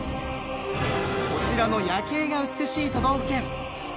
こちらの夜景が美しい都道府県。